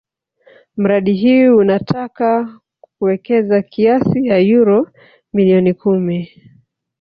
Mradi huu unataka kuwekeza kiasi ya euro milioni kumi